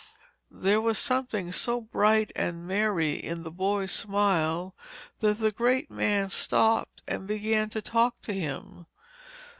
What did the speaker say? There was something so bright and merry in the boy's smile that the great man stopped and began to talk to him.